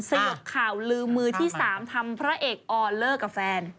สยบข่าวลืมมือที่๓ทำพระเอกออนเลิกกับแฟน